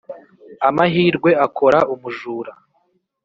amahirwe akora umujura